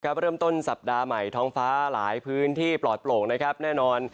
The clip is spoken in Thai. เริ่มต้นสัปดาห์ใหม่ท้องฟ้าหลายพื้นที่ปลอดโปร่งนะครับแน่นอน